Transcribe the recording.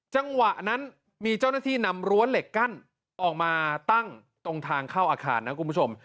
จังหวะนั้นมีเจ้าหน้าที่นำรั้วเหล็กกั้นออกมาตั้งตรงทางเข้าอาคารนะคุณผู้ชม